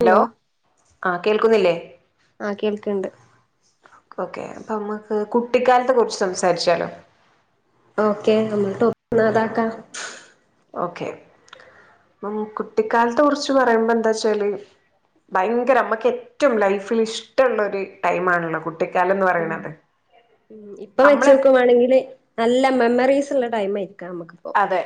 Hello ഉണ്ടോ ആ കേൾക്കുന്നില്ലേ കേൾക്കണ്ട് ഓക്കേ അപ്പ നമ്മക്ക് കു കുട്ടിക്കാലത്തെ കുറിച്ച് സംസാരിച്ചാലോ ഓക്കെ നമ്മള ടോപ്‌ ഇന്ന് അതാക്കാം ഓക്കെ മം കുട്ടിക്കാലത്തെ കുറിച്ച് പറയുമ്പോ എന്താ വച്ചാല് ഭയങ്കര അമ്മക്ക് ഏറ്റവും ലൈഫിൽ ഇഷ്ടമുള്ളൊരു ടൈ ആണുള്ള കുട്ടി ഉം ഇപ്പ നമ്മളെ വെച്ചോക്കുവാണെങ്കില് നല്ല മെമ്മറീസ് ഉള്ള ടൈം ആയിരിക്കും അതെ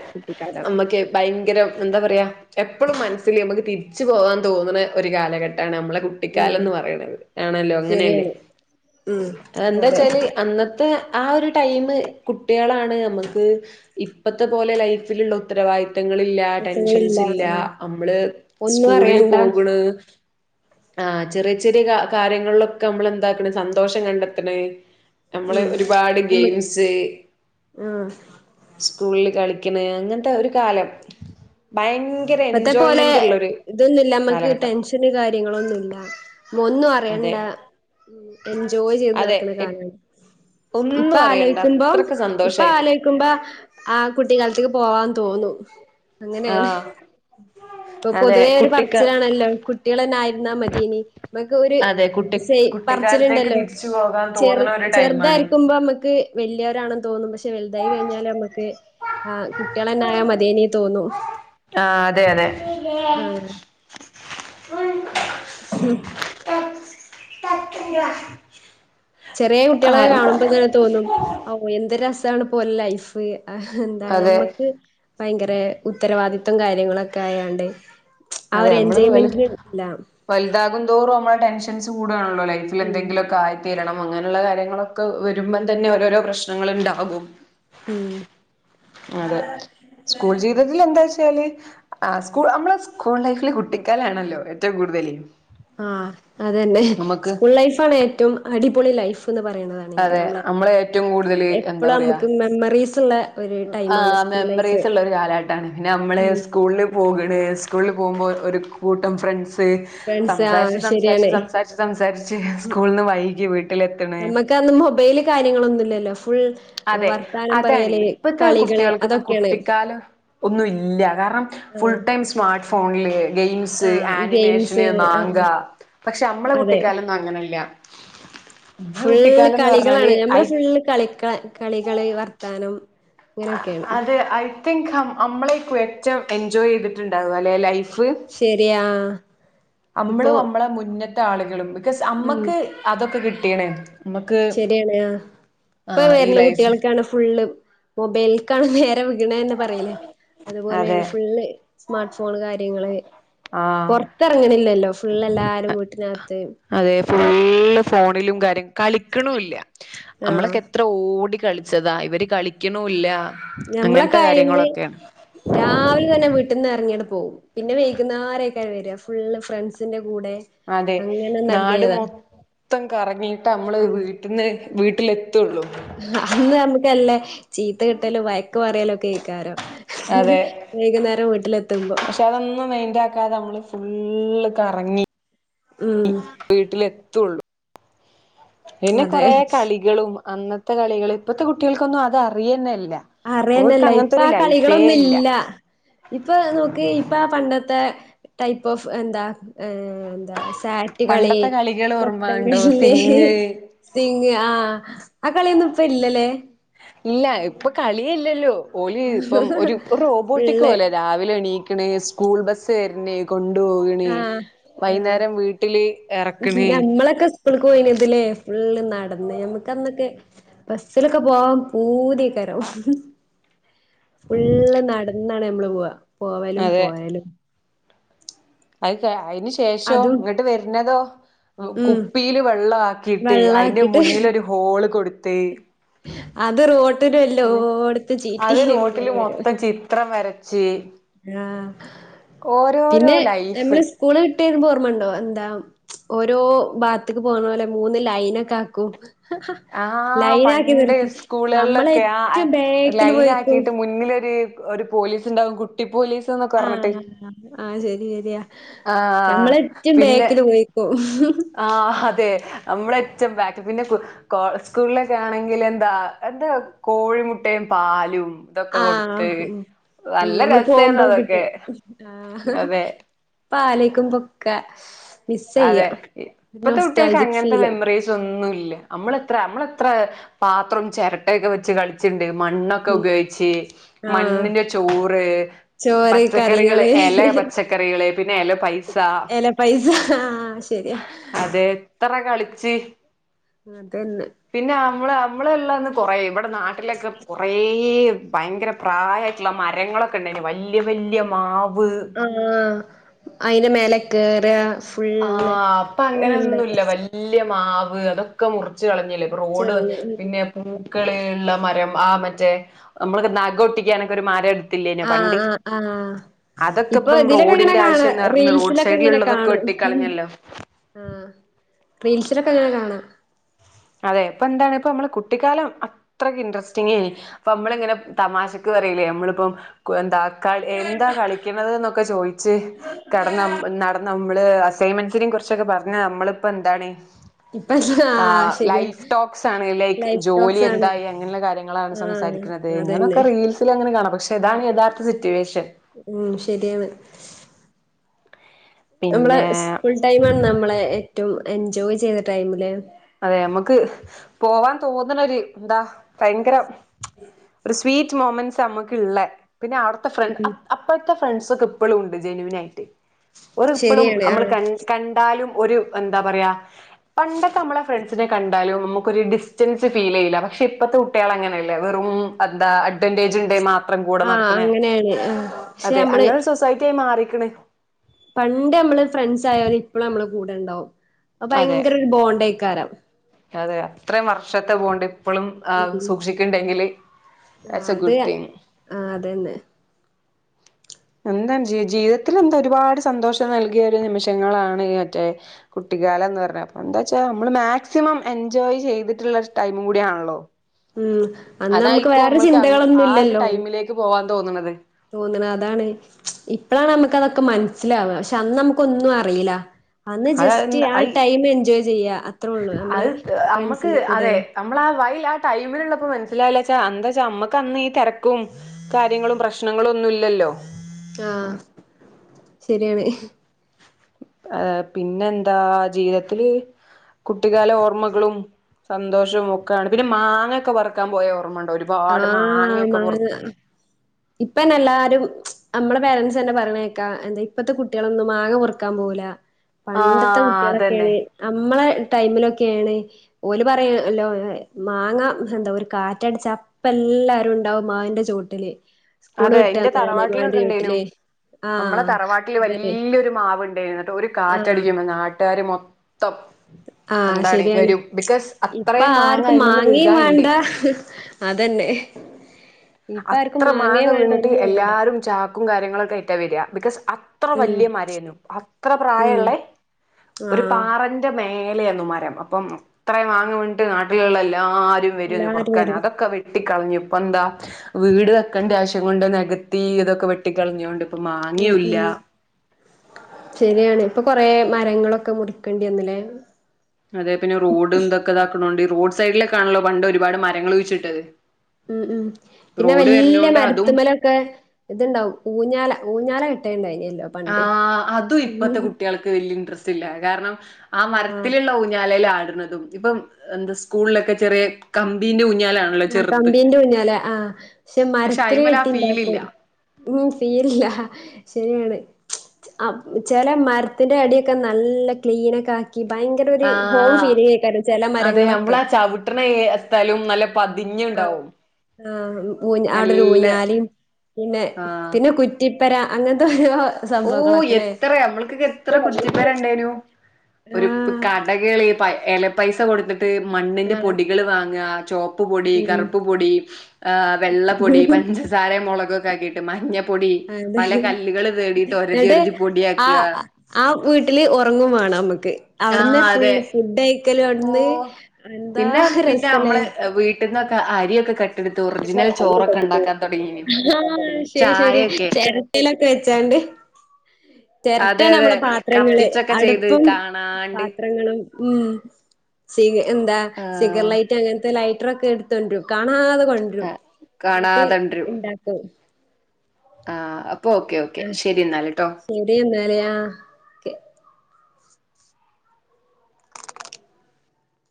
നമ്മുക്ക് ഭയങ്കര എന്താ പറയാ എപ്പോളും മനസ്സിൽ നമക്ക് തിരിച്ചു പോകാൻ തോന്നണ ഒരു കാലഘട്ടമാണ് നമ്മള കുട്ടിക്കാലം ഉം എന്ന് പറയണത് ആണല്ലോ അങ്ങനെയല്ലേ ശരിയാണ് ഉം എന്താ അതെ വച്ചാല് അന്നത്തെ ആ ഒരു ടൈം കുട്ടികളാണ് നമുക്ക് ഇ ഇപ്പത്തെപോലെ ലൈഫിലുള്ള ഉത്തരവാദിത്തങ്ങൾ കുറ്റങ്ങളില്ല ടെൻഷൻസ് ഇല്ല ആ നമ്മള് ഒന്നും സ്കൂളിൽ അറിയണ്ട പോകുനു ആ ചെറിയ ചെറിയ കാര്യങ്ങളിലൊക്കെ നമ്മൾ എന്താക്കന് സന്തോഷം കണ്ടെത്താണ് നമ്മള് ഉം ഒരുപാട് നമ്മ ഗെയിംസ് ആ കളിക്കണ് അങ്ങനത്തെ ഒരു കാലം ഭയങ്കര എൻജോയ്മെന്റ് ഉള്ളരു ഇതൊന്നുംല്ല നമ്മക്ക് ടെൻഷന് കാര്യങ്ങൾ ഒന്നുംല്ല ഒന്നും അതെ അറിയണ്ട ഉ എൻജോയ് ചെയ്ത് അതെ നടക്കണ എ- കാലമാണ് ഇപ്പ ഒന്നും അറിയണ്ട ആലോയ്ക്കുമ്പോ അത്രക്ക് ഇപ്പൊ സന്തോഷായിട്ട് ആലോയ്ക്കുമ്പോ ആ കുട്ടിക്കാലത്തേക്ക് പോവാൻ തോന്നുന്നു അങ്ങനെയാണ് മ് ഇപ്പൊ പൊതുവേ ഒരു പറച്ചിലാണല്ലോ കുട്ടികൾന്നെ ആയിരുന്നാ മതീയ്നിം നമക്ക് ഒരു അതെ കുട്ടി കുട്ടിക്കാലത്തേക്ക് പറിച്ചിലുണ്ടല്ലോ തിരിച്ചു പോകാൻ ചെ തോന്നണ ഒരു ടൈമാണ് ചെറുതായിരിക്കുമ്പോ നമുക്ക് വലിയ ണ തോന്നും പക്ഷെ വലുതായി കഴിഞ്ഞാൽ നമ്മുക്ക് ആ കുട്ടികളന്നായ മതേനിയ തോന്നും ആഹ അതെ അതെ മ് [inaudible] ചെറിയ കുട്ടികളൊക്കെ ആഹ് കാണുമ്പോങ്ങനെ തോന്നും ഓ എന്തൊ രസാണ്പ്പൊ ഓലെ ലൈഫ് എന്താ അതെ ഞമ്മക്ക് ഭയങ്കര ഉത്തരവാദിത്തവം കാര്യങ്ങളൊക്കെ ആയാണ്ട് ആ അതെ ഒരു നമ്മള് വ എൻജോയ്മെന്റിന് ഇല്ല വലുതാകുംതോറും നമ്മളെ ടെൻഷൻസ് കൂ ണോ ലൈഫിൽ ഉം എന്തെിലൊക്കെ തീരണം അങ്ങനെയുള്ള കാര്യങ്ങളൊക്കെ വരുമ്പം തന്നെ ഓരോരോ പ്രശ്നങ്ങള ഉണ്ടാകും മ് അതെ സ്കൂൾ ജീവിതത്തിൽ എന്താച്ച ല് സ്കൂ നമ്മള സ്കൂൾ ലൈഫില് കുട്ടിക്കാലാണല്ലോ ഏറ്റവും കൂടുതല് ആ അതന്നെ നമുക്ക് സ്കൂൾ ലൈഫാണ് ഏറ്റവും അടിപൊളി ലൈഫ് അതെ നമ്മളെ ഏറ്റവും [unintelligible] എപ്പളും ഞമ്മക് മെമ്മറിസ് ആ മെമ്മറീസ് ഉള്ള ഒരു കാലഘട്ടാണ് പിന്നെ നമ്മള് ഉം സ്കൂളിൽ പോക പിന്നെ സ്കൂളിൽ പോകുമ്പോൾ ഒരു കൂട്ടം ഫ്രണ്ട്സ് ഫ്രണ്ട്സ് ആ സംസാരിച്ച് സംസാരിച്ച് ശരിയാണ് സംസാരിച്ച് സംസാരിച്ച് സ്കൂളന്ന് വൈകി വീട്ടില എത്തണ് നമ്മക്ക് അന്ന് മൊബൈല് കാര്യങ്ങളൊന്നുമില്ലല്ലോ ഫുൾ അതെ വർത്താനം അതാണ് പറയല് ഇപ്പത്തെ കളികള് കുട്ടികൾക്കൊന്നും അതൊക്കെയാണ് കുട്ടിക്കാല ഒന്നുല്ല കാരണം ആഹ് ഫുൾ ടൈം സ്മാർട്ട് ഫോണില് ഗെയിംസ് ആഹ് ഗെയിംസ് ആനിമേഷന് മാങ്ക ആഹ് പക്ഷെ നമ്മളെ കുട്ടിക്കാലൊന്നും അങ്ങനല്ല ഫുള് കളികളാണ് പറഞ്ഞാല് ഐ ഞമ്മള് ഫുള്ള് കളികാൻ കളികള് വർത്താനം അങ്ങനെയൊക്കെയാണ് അതെ ഐ തിങ്ക് നമ്മളെകൊയറ്റം എൻജോയ് ചെയ്തിട്ടുണ്ടക അല്ലെ ലൈഫ് ശരിയാ നമ്മള ഇപ്പൊ നമ്മളെ മുന്ന മറ്റ ആളുകളും ബിക്കോസ് അമ്മക്ക് അതൊക്കെ കിട്ടിയണ് ശരിയണ് ഇപ്പൊ ആഹ് ഈ വരുന്ന ലൈഫ് കുട്ടികൾക്കാണ് ഫുള്ള് മൊബൈലക്കാണ് നേരെ ണെ പറലേ അതെ അതുപോലെയാണ് ഫുള്ള് സ്മാർട്ട് ഫോൺ കാര്യങ്ങള് ആഹ് പുൊറത്തിറങ്ങണില്ലല്ലോ ഫുള് എല്ലാരും വീട്ടിനകത്ത് അതെ ഫുള്ള് ഫോണിലും കാര്യം കളിക്കുണില്ല ആഹ് നമ്മളൊക്കെ എത്ര ഓടി കളിച്ചതാ ഇവര് കളിക്ക്ണുല്ല ഞമ്മളൊക്കെ ആയന്ന് രാവിലെ തന്നെ വീട്ടിൽന്ന് ഇറങ്ങിയെ പോവും പിന്നെ വെകുന്നേരം ആയ്കാരം വരിക ഫുള്ള് ഫ്രണ്ട്സിന്റെ കൂടെ അതെ അങ്ങനെ നാട് നടന്നീനതാ മൊത്തം കറങ്ങിട്ട് നമ്മള് ആഹ് വീട്ടിന്ന് വീട്ടിലെത്തുള്ളൂ അന്ന് നമുക്കല്ലേ ചീത്ത കിട്ടലും വയക്ക് പറയലും ഒക്കെ അയ്കരം അതെ വൈകുന്നേരം വീട്ടില എത്തുമ്പോ ക്കെ നമ്മള് ഫുള്ള് കറങ്ങി ഉം [unintelligible] വീട്ടിലെത്തുള്ളൂ പിന്നെ അതെ കൊറേ കളികളും അന്നത്തെ കളികൾ ഇപ്പത്തെ കുട്ടികൾക്കൊന്നും അത് അറിയന്നല്ല അറിയാനല്ലേ ഇപ്പൊ ആ ഇല്ല കളികളൊന്നുല്ല ഇപ്പൊ നോക്കി ഇപ്പ ആ പണ്ടത്തെ ടൈപ്പ് ഓഫ് എന്താ ഏ ന്താ സാറ്റുകളി പണ്ടത്തെ കളികൾ ഓർമ്മ ഉണ്ടോ കൊത്തങ്കല്ല് സിങ് [unintelligible] ആഹ ആ കളിയൊന്നും ഇപ്പല്ലലെ ഇല്ല ഇപ്പൊ കളിയല്ലല്ലോ ഓലി ഇപ്പം ഒരു റോബോട്ടിക്ക് ഫുള്ള് പോലെ രാവിലെ എണീ സ്കൂൾ ബസ്സ് വരന് കൊണ്ടുപോക്ണ് ആഹ് ആഹ് വൈന്നേരം വീട്ടില് എറക്ക്ണ് നമ്മളൊക്കെ സ്കൂൾക്ക് പോയിനതിലേ ഫുള്ള് നടന്ന് ഞമക്ക്ന്നൊക്കെ ബസ്സിലൊക്കെ പോവാൻ പൂതിയക്കരോ ഫുള്ള് നടന്നാണ് നമ്മള് പോവാ പോവാലും പോയാലും [unintelligible] അയിന്ശേഷോ അതും ഇങ്ങട്ട് വെര് ന്നതോ ഉം കുപ്പിയില് വെള്ളം ആക്കിയിട്ട് അയി ന്റെ വെള്ളാക്കിട്ട് മുന്നിലോരു ഹോള് കൊടുത്ത് [inaudible] അത് റോട്ടില് എല്ലോടത്തും ചീറ്റി അത് റോട്ടില് മൊത്തം ചിത്രം വര [unintelligible] ആഹ പിന്നെ ലൈഫ് നമ്മള് സ്കൂള് ഓർമ്മണ്ടോ എന്താ ഓരോ ഭാഗത്തക്ക് പൊന്നോലെ മൂന്ന് ലൈനക്കെ ആക്കും ആ ലൈനാക്കി പണ്ട് നിർത്തും നമ്മള് സ്കൂളുകളിലൊക്കെ ആ ഏറ്റവും ബേക്കില് ലൈൻ പോയിക്കും. ആക്കിട്ട് മുന്നിലൊരു ഒരു പോലീസ് ഉണ്ടാാവും കുട്ടി പോലീസ് എന്നൊക്കെ ആ പറഞ്ഞിട്ട് ആ ശരി ശരിയാ ആഹ് നമ്മളേറ്റവും പിന്നെ ബേക്കില് പോയിക്കും. ആ ഹതെ [unintelligible] സ്കൂളിലൊക്കെ ആണെങ്കിൽ എന്താ എന്താ കോഴിമു ട്ടയും പാലും ഇതൊക്കെ ആഹ കൊടുത്ത് [unintelligible] ഉം നല്ല നമ്മള് പോവുമ്പോ രസേന്നു കിട്ടും അതൊക്കെ ആ അതെ പ്പലോയ്ക്കുമ്പൊക്കെ അതെ ഇപ്പത്തെ കുട്ടിൾക്ക് അങ്ങനത്തെ ഫീല് മെമ്മറീസ് ഒന്നുല്ല അമ്മളെത്ര അമ്മള ത്ര പാത്രം ചിരട്ടയൊക്കെ വെച്ച് കളിച്ചിണ്ട് ഉം മണ്ണൊക്കെപയോകിച്ച് ആഹ് മണ്ണിൻ്റെ ചോറ് ചോറ് പച്ചകറികള് കറികള് എല പച്ചക്കറികള് പിന്നെ എല പൈസ എല പൈസ ആഹ് ശരിയാ അതെ എത്ര കളിച്ച് അതന്നെ പിന്നെ അമ്മള് അമ്മള് ള്ളന്ന് കൊറെ [unintelligible] നാട്ടിലൊക്കെ കോറെ ഏ ഭയങ്കര പ്രായയിട്ടുള്ള മരങ്ങളൊക്കെ ഉണ്ടെനി വല്യയ വല്യയ മാവ് ആഹ അയിന്റെ മേലെ കേറ ആഹ ഇപ്പങ്ങനെന്നുല്ല [unintelligible] മാവ് അതൊക്കെ മുറച്ച് കളഞ്ഞില്ലെ ഇപ്പം റോഡ് [unintelligible] പിന്നെ [unintelligible] മരം ആ മറ്റേ അമ്മള് നഗ ഒട്ടിക്കാനൊക്കെ ഒരു മരം എടുത്തില്ലേനോ ആഹ പണ്ട് ആഹ ആഹ് അതൊക്കെ ഇപ്പൊ ഇപ്പം ഇതിലൊക്കെ ഇങ്ങനെ റോഡിന്റെ കാണ ആവശ്യംന്ന് പറഞ്ഞ് റോഡ് റീൽസിലൊക്കെ ഇങ്ങനെ സൈഡിലുള്ളതൊക്കെ കാണും ഉം വെട്ടിക്കളഞ്ഞല്ലോ ആ റീൽസിലൊക്കെ ഇങ്ങനെ കാണാ അതെ ഇപ്പൊ ന്താണ് ഇപ്പ മ്മളെ കുട്ടിക്കാലം അത്രക്ക് ഇൻട്രസ്റ്റിങ്ങ് എനി പ്പമ്മളിങ്ങനെ തമാശക്ക് [unintelligible] അമ്മളിപ്പം [unintelligible] എന്താ എന്താ കളിക്കണത് ന്നൊക്കെ ചോദിച്ച് കടന്ന [unintelligible] നമ്മള് അസൈൻമെന്റ്സിനേ കുറച്ചൊക്കെ പറഞ്ഞ അ മ്മളിപ്പൊ എന്താണ് ഇപ്പ [unintelligible] ലൈഫ് ടോക്സ് ആാണ് ലൈക്ക് ജോലി ആണ് എന്തായി അങ്ങനെയള്ള കാര്യങ്ങളാണ് ആഹ് സംസാരിക്കുന്നത് അതന്നെ ഇങ്ങനെയൊക്കെ റീൽസ് അങ്ങനെ കാണാം പക്ഷെതാണ് യഥാർത്ഥ സിറ്റുവേഷൻ ഉം ശരിയാണ് അമ്മളെ പിന്നെ സ്കൂൾ ടൈ മാണ് നമ്മളെ ഏറ്റവും എൻജോയ് ചെയ്ത ടൈമില് അതെ നമുക്ക് പോവാൻ തോന്നണൊരു എന്താ ഭയങ്കര ഒരു സ്വീറ്റ് മൊമെന്റ്സ് അമ്മുക്ക്ള്ള പിന്നെ അവിടുത്തെ ഫ്രണ്ട് ഉം [unintelligible] അപ്പഴത്തെ ഫ്രണ്ട്സൊക്കെ ഇപ്പളും ഉണ്ട് ജെനുവിൻ ആയിട്ട് ഓര് ഇപ്പളും ശരിയാണ് നമ്മൾ ആഹ് ക കണ്ടാലും ഓരു എന്താ പറയാ പണ്ടക്കെ നമ്മളെ ഫ്രണ്ട്സിനെ കണ്ടാലും നമുക്കൊരു ഡിസ്റ്റൻസ് ഫീൽ ചെയ്യില്ല പക്ഷെ ഇപ്പത്തെ കുട്ടികൾ അങ്ങനെയല്ല വെറും എന്താ അഡ്വാൻടേജ് ഉണ്ടെങ്കിൽ മാത്രം കൂടെ ആഹ് നടക്കണെ അങ്ങനെയാണ് ആഹ് പക്ഷെ അതെ നമ്മള് അങ്ങനെ സൊസൈറ്റി ആയി മാറി ക്ക്ണ് പണ്ട് നമ്മള് ഫ്രണ്ട്സ് ആയോല് ഇപ്പളും നമ്മളെ കൂടെ ഉണ്ടാവും അ അതെ ഭയങ്കര ഒരു ബോണ്ടയിക്കാരം അതെ അത്രയും വർഷത്തെ ബോണ്ട് ഇപ്പളും ആ ഉം സൂക്ഷിക്ക്ണ്ടെങ്കില് ആ അതെയാ ആ അതന്നെ എന്താ ജീവിതത്തിൽ എന്താ ഒരുപാട് സന്തോഷം നൽകിയ ഒരു നിമിഷങ്ങളാണ് ഈ മറ്റേ കുട്ടി കാലം എന്ന് പറഞ്ഞ എന്താച്ചാ നമ്മള് മാക്സിമം എൻജോയ് ചെയ്തിട്ടുള്ള ഒരു ടൈം കൂടിയാണല്ലോ ഉം അന്ന് നമുക്ക് അതായിക്കും വേറെ നമ്മൾക്ക് അങ്ങ് ചിന്തകളൊന്നും ആ ഒരു ഇല്ലല്ലോ ടൈമിലേക്ക് പോവാൻ തോന്നുണത് തോന്നണ അതാണ് ഇപ്പളാണ് നമ്മക്ക് തൊക്കെ മനസ്സിലാവ പക്ഷെ അന്ന് നമുക്ക് ഒന്നും അറിയീല അന്ന് അത ജസ്റ്റ് ആ ടൈം എൻജോയ് ചെയ്യാ അത്രേ ഉള്ളൂ നമ്മള് അത് നമ്മക്ക് ഫ്രണ്ട്സിന്റെ കൂടെ അതെ നമ്മള ആ വൈൽ ആ ടൈമിലുള്ളപ്പോ മനസ്സിലായിലാച്ച എന്താച്ചാ നമ്മക്ക് അന്ന് ഈ തിരക്കും കാര്യങ്ങളും പ്രശ്നങ്ങളും ഒന്നും ഇ ല്ലല്ലോ ആഹ ശരിയാണ് ആഹ് പിന്നെ എന്താ ജീവിതത്തില് കുട്ടികാല ഓർമ്മകളും സന്തോഷവും ഒക്കെണ് പിന്നെ മാങ്ങക്കെ പൊറുക്കാൻ പോയ ഓർമ്മണ്ട് ആഹ മാങ്ങ ഇപ്പന്നെ എല്ലാരും നമ്മളെ പേരൻസ് ന്നെ പറയേണെക്കാ എന്താ ഇപ്പത്തെ കുട്ടികളൊന്നും മാങ്ങ പൊറുക്കാൻ പോകൂല ആ പണ്ടത്തെ അതന്നെ കുട്ടികളൊക്കെണ് നമ്മളെ ടൈമിലൊക്കെയാണ് ഓല് പറയല്ലോ മാങ്ങ എന്താ ഒരു കാറ്റടിച്ചാ ഇപ്പ എല്ലാരും ഇണ്ടാവും മാവിന്റെ ചോട്ടില് സ്കൂള് അതെ വിട്ട് ഇന്റെ വന്നാല് തറവാട്ടിലൊക്കെ മാവിന്റെ ഇണ്ടേനു ചോട്ടില് നമ്മളെ ആഹ് തറവാട്ടില് അതന്നെ വല്ല്യരു മാവുണ്ട് ട്ട് ഒരു ആഹ് കാറ്റടിക്കുമ്പം നാട്ടാര് മൊത്തം ആഹ് എന്താണ് ശരിയാണ് വരും ബിക്കോസ് ഇപ്പ അത്രയും മാങ്ങാ ആർക്കും അയിമന്നു മാങ്ങയും വീകാൻണ്ട് വേണ്ട അതന്നെ ഇപ്പ ആർക്കും അത്ര മാങ്ങ മാങ്ങയും വേണ്ട വീണിട്ട് ഒന്നും വേണ്ട എല്ലാരും ചാക്കും കാര്യങ്ങളൊക്കെ ആയിട്ടാ വര ബിക്കോസ് അത്ര ഉം വല്യ അത്ര ഉം പ്രായള്ളെ ഒരു ആഹ് പാറന്റെ മേലെ മേലന്ന് മരം അപ്പം അത്ര മാങ്ങ വീണിട്ട് നാട്ടിലുള്ള എല്ലാ എല്ലാരും വരോല്ലോ എല്ലാരും പൊർക്കാൻ വരും അതൊക്കെ വെട്ടിക്കളഞ്ഞു ഇപ്പൊ എന്താ വീട് വക്കേണ്ട ആവശ്യം കൊണ്ട് നികത്തി ഇതൊക്കെ വെട്ടി കളഞ്ഞോണ്ട് അപ്പൊ ഉം മാങ്ങയുല്ല ഉം ശരിയാണ് ഇപ്പൊ കൊറെ മരങ്ങളൊക്കെ മുറിക്കണ്ടി വന്നിലെ അതേ പിന്നെ റോഡ് ഇദൊക്കെ ഇതാക്ണോണ്ട് റോഡ് സൈഡിലൊക്കെ ആണല്ലോ പണ്ട് ഒരുപാട് മരങ്ങൾ കുഴിച്ചിട്ടത് ഉം ഉം പിന്നെ റോഡ് വല്യ വരുന്നോണ്ട് അതും മരത്തിമലൊക്കെ ഇതുണ്ടാവും ഊഞ്ഞാല ഊഞ്ഞാല കെ ആ അതും ഇപ്പത്തെ കുട്ടികൾക്ക് വല്യ ഇൻട്രസ്റ്റ്ല്ല കാരണം ആ ആഹ് മരത്തിലുള്ള ഊഞ്ഞാലേൽ ആട ടുന്നതും ഇപ്പോ എന്താ സ്കൂളിലൊക്കെ ചെറിയ കമ്പിന്റെ ഊ ആ കമ്പീന്റെ ഊഞ്ഞാല ആഹ് പക്ഷെ മരത്തില് അയിമൽ ആ കെട്ടിണ്ടാക്കും ഫീലില്ല ഉഉം ഫീലില്ല ശരിയാണ് ആഹ് ചില മരത്തിന്റെ അടിയൊക്കെ നല്ല ക്ലീനൊക്കെ ആക്കി ഭയങ്കര ഒരു ഹോം ആഹ് ഫീൽ ചെയക്കാരം ചെല മരങ്ങളൊക്കെ ന്താലും നല്ല പതിഞ്ണ്ടാവും ആ ഊഞ്ഞാ അവിടെരു ഊഞ്ഞാലിം പിന്നെ ആഹ് പിന്നെ കുറ്റി പ്പെര അങ്ങനത്തെ ഓരോ ഓ സംഭവങ്ങളൊക്കെല്ലേ എത്ര നമ്മൾക്കൊക്കെ എത്ര കുറ്റിപ്പെരണ്ടേനു ഒരു ആഹ് കടകള് ഇല പൈസ കൊടുത്തി ട്ട് മണ്ണിന്റെ ആഹ് പൊടികൾ വാങ്ങ ചുവപ്പ് പൊടി ഉം കറുപ്പ് പൊടി വെള്ള പൊടി പച്ച ഞ്ചസാരേം മൊളക്‌ക്കൊ ക്കാക്കിട്ട് മഞ്ഞപ്പൊടി. അതെ പല കല്ലുകള് തേടിട്ട് ഒരതി ന്നട്ട് ഒരതി പൊടി ആ ആ വീട്ടില് ഒറങ്ങും വേണം നമ്മക്ക് അവ്ട്ന്ന് ആഹ് അതെ ഫുള്ള് ഫുഡ്ഡയ് ഓ പിന്നെ പിന്നെ രസല്ലേ അമ്മള് വീട്ടിന്നൊക്കെ അരിയൊക്കെ കട്ടി ടുത്ത് ഒറിജിനൽ ചോറൊക്കെ ണ്ടാക്കാൻ തൊട്ങ്ങിനൂ ആഹ് ശരി ശരിയാ ചായൊക്കെ ചെറ്താണ് അമ്മളെ പാത്രങ്ങള് കത്തിച്ചൊക്കെ ചെയ്ത് അടുപ്പും കാണാണ്ട് പാത്രങ്ങളും ഉം സി എന്താ ആ സിഗർ ലൈറ്റ് അങ്ങനത്തെ ലൈറ്ററൊക്കെ എടുത്തണ്ട്രുരും കാണത കൊണ്ട്റും ആ ന്നിട്ട് ഇണ്ടാക്കും. ആഹ അപ്പൊ ഓക്കെ ഓക്കെ ആഹ് ശരി എന്നാൽ ട്ടോ ക്കെ